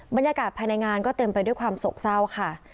บรรยากาศภายในงานก็เต็มไปด้วยความโศกเศร้าค่ะ